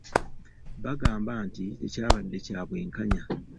Bagamba nti tekyabadde kya bwenkanya.